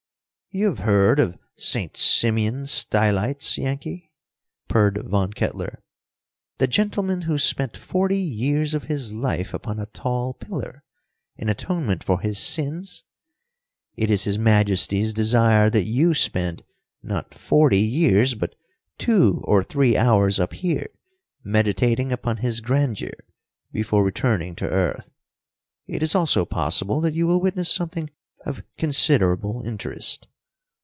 "You have heard of St. Simeon Stylites, Yankee?" purred Von Kettler. "The gentleman who spent forty years of his life upon a tall pillar, in atonement for his sins? It is His Majesty's desire that you spend, not forty years, but two or three hours up here, meditating upon his grandeur, before returning to earth. It is also possible that you will witness something of considerable interest.